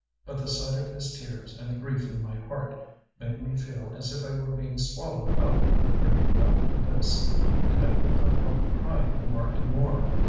But the sight of his tears, and the grief in my heart, made me feel as if I were being swallowed up in a great black abyss, and I could not help crying more and more.